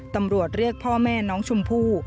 ตำรวจเรียกพ่อแม่น้องชมพู่